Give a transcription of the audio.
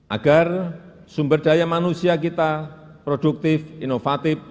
agar sumber daya manusia kita produktif inovatif